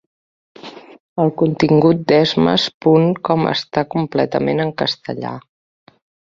El contingut d'esmas punt com està completament en castellà.